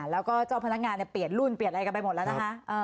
แล้วก็เจ้าพนักงานเปลี่ยนรุ่นเปลี่ยนอะไรกันไปหมดแล้วนะคะ